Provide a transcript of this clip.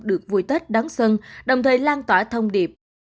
được vui tết đón xuân đồng thời lan tỏa thông điệp